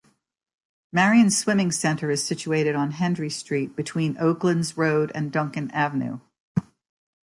Marion Swimming Centre is situated on Hendrie Street between Oaklands Road and Duncan Avenue.